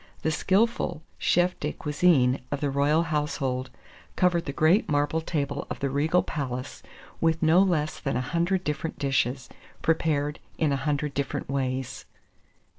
The skilful chef de cuisine of the royal household covered the great marble table of the regal palace with no less than a hundred different dishes, prepared in a hundred different ways.